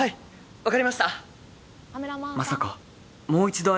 わかりました。